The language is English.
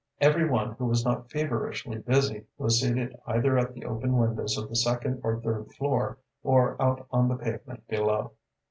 Every one who was not feverishly busy was seated either at the open windows of the second or third floor, or out on the pavement below.